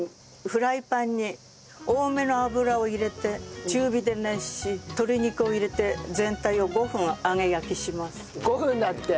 フライパンに多めの油を入れて中火で熱し鶏肉を入れて全体を５分だって！